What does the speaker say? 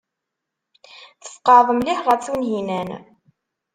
Tfeqɛeḍ mliḥ ɣef Tunhinan.